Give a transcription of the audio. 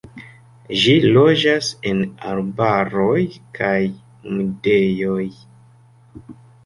Ĝi loĝas en arbaroj kaj humidejoj.